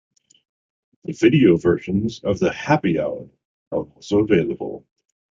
Video versions of the "Happy Hour" are also available.